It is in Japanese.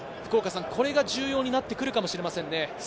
これが重要になってくるかもしれませんね。